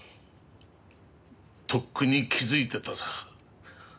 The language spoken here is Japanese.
とっくに気づいてたさ。